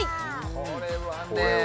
これはね